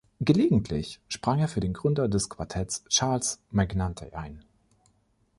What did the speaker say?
Gelegentlich sprang er für den Gründer des Quartetts, Charles Magnante, ein.